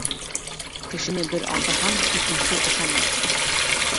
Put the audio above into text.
Кешене бер алдаһаң, икенсе ышанмаҫ.